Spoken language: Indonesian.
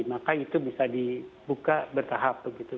maka itu bisa dibuka bertahap begitu